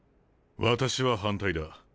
私は反対だ。